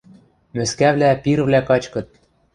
– Мӧскӓвлӓ, пирӹвлӓ качкыт.